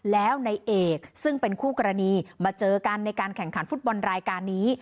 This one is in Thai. แล้วในเอกซึ่งเป็นคู่กรณีมาเจอกันในการแข่งขันฟุตบอลรายการนี้